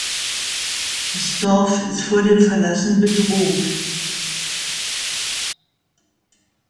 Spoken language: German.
Das Dorf ist vor dem Verlassen bedroht.